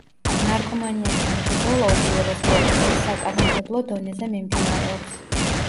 ნარკომანიასთან ბრძოლა, უპირველეს ყოვლისა, საკანონმდებლო დონეზე მიმდინარეობს.